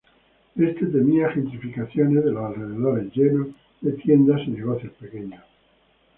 Éste temía Gentrificación de los alrededores, llenos de tiendas y negocios pequeños.